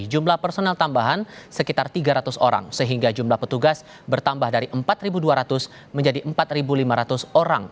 jumlah personel tambahan sekitar tiga ratus orang sehingga jumlah petugas bertambah dari empat dua ratus menjadi empat lima ratus orang